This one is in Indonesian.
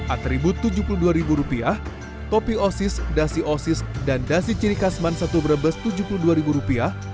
atribut tujuh puluh dua rupiah topi osis dasi osis dan dasi ciri kasman satu brebes tujuh puluh dua rupiah